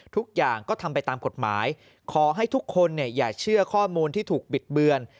ทุกอย่างก็ทำไปตามกฎหมายขอให้ทุกคนอย่าเชื่อข้อมูลที่ถูกบิดเบือน